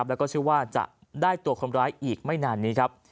แล้วก็เชื่อว่าจะได้ตัวคนร้ายอีกไม่นานนี้ครับ